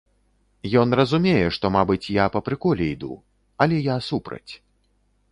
Ён разумее, што, мабыць, я па прыколе іду, але я супраць.